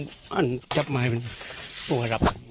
พันให้หมดตั้ง๓คนเลยพันให้หมดตั้ง๓คนเลย